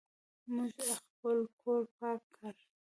موږ خپل کور پاک کړ.